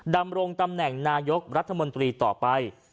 ดำรงตำแหน่งนายกรัฐมนตรีต่อไป